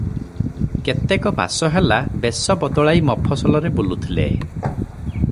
କେତେକ ମାସ ହେଲା ବେଶ ବଦଳାଇ ମଫସଲରେ ବୁଲୁଥିଲେ ।